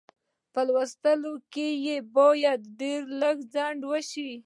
په لوستلو کې یې باید ډېر لږ ځنډ وشي.